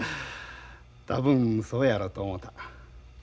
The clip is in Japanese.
多分そうやろと思うた。